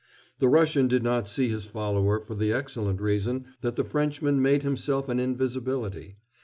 The Russian did not see his follower for the excellent reason that the Frenchman made himself an invisibility.